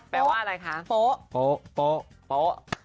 แปลว่าอะไรคะโป้โป้โป้โป้